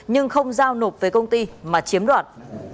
nhưng không giao nộp về công ty mà chiếm đoạt